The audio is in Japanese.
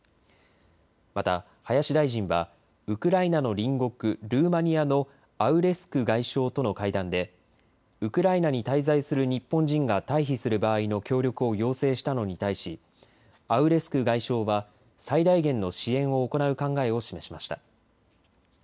また、林大臣はウクライナの隣国ルーマニアのアウレスク外相との会談でウクライナに滞在する日本人が退避する場合の協力を要請したのに対し、アウレスク外相は最大限の支援を行う考えを示しました。